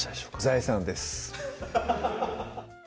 財産です